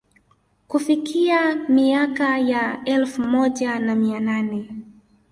Kufikia miaka ya elfu moja na mia nane